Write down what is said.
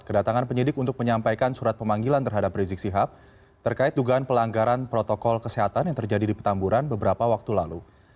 kedatangan penyidik untuk menyampaikan surat pemanggilan terhadap rizik sihab terkait dugaan pelanggaran protokol kesehatan yang terjadi di petamburan beberapa waktu lalu